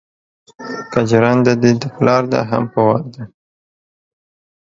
که جرنده دې د پلار ده خو په وار ده